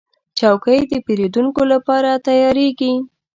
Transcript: چوکۍ د پیرودونکو لپاره تیارېږي.